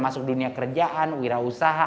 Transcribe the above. masuk dunia kerjaan wirausaha